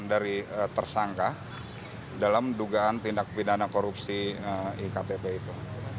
dari tersangka dalam dugaan tindak pidana korupsi iktp itu